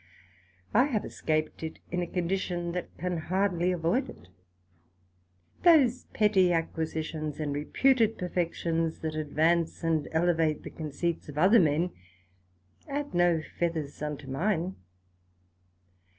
I have escaped it in a condition that can hardly avoid it. Those petty acquisitions and reputed perfections that advance and elevate the conceits of other men, add no feathers unto mine.